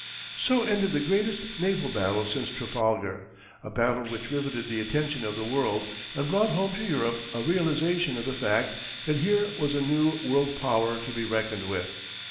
So ended the greatest naval battle since Trafalgar a battle which riveted the attention of the world, and brought home to Europe a realization of the fact that here was a new world power to be reckoned with.